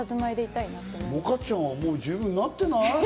萌歌ちゃんは十分なってない？